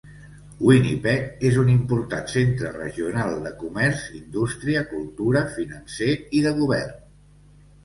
Winnipeg és un important centre regional de comerç, indústria, cultura, financer i de govern.